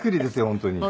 本当に。